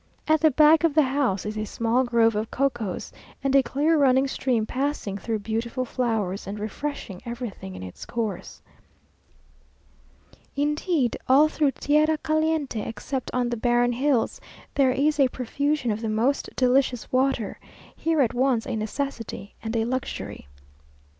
At the back of the house is a small grove of cocoas, and a clear running stream passing through beautiful flowers, and refreshing everything in its course. Indeed all through tierra caliente, except on the barren hills, there is a profusion of the most delicious water, here at once a necessity and a luxury.